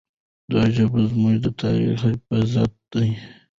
دا ژبه زموږ د تاریخ حافظه ده.